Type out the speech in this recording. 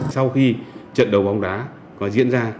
sau khi trận đấu bóng đá có diễn ra